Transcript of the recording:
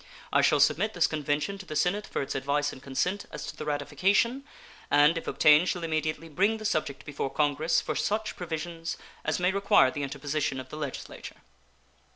I shall submit this convention to the Senate for its advice and consent as to the ratification, and, if obtained, shall immediately bring the subject before Congress for such provisions as may require the interposition of the Legislature.